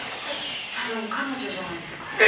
えったぶん彼女じゃないですか？